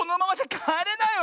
かえれない？